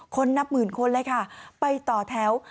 นับหมื่นคนเลยค่ะไปต่อแถว